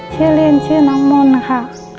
ชื่อเล่นชื่อน้องมนต์ค่ะ